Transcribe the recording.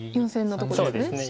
４線のとこですね。